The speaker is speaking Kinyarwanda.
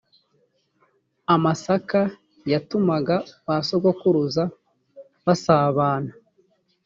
amasaka yatumaga ba sogokuruza basabana